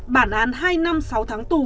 bản án hai năm sáu tháng tù